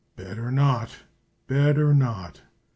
"Better not! better not!"